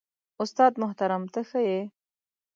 استاد محترم ته ښه يې؟